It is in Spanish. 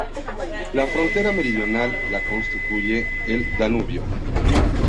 La frontera meridional la constituye el Danubio.